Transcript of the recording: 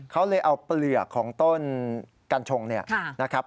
เขาเลยเอาเปลือกของต้นกัญชงเนี่ยนะครับ